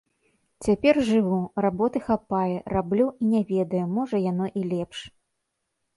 Цяпер жыву, работы хапае, раблю і не ведаю, можа, яно і лепш.